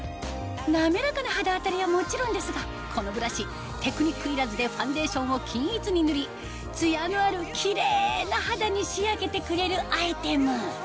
滑らかな肌当たりはもちろんですがこのブラシテクニックいらずでファンデーションを均一に塗りツヤのあるキレイな肌に仕上げてくれるアイテム